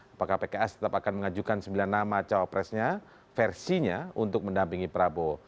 apakah pks tetap akan mengajukan sembilan nama cawapresnya versinya untuk mendampingi prabowo